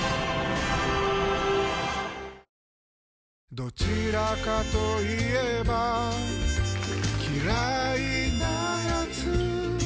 どちらかと言えば嫌いなやつ